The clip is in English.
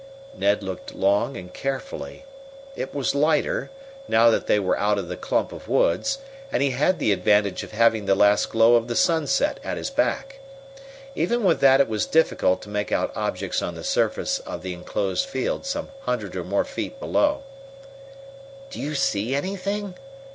Ned looked long and carefully. It was lighter, now that they were out of the clump of woods, and he had the advantage of having the last glow of the sunset at his back. Even with that it was difficult to make out objects on the surface of the enclosed field some hundred or more feet below. "Do you see anything?"